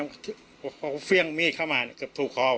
เพราะเขาเฟรี่ยงมีดเข้ามาเกือบถูกคอ